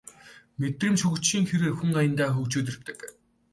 Мэдрэмж хөгжихийн хэрээр хүн аяндаа хөгжөөд ирдэг